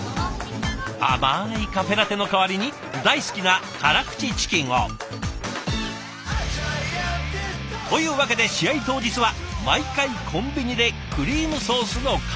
甘いカフェラテの代わりに大好きな辛口チキンを。というわけで試合当日は毎回コンビニでクリームソースのカルボナーラ。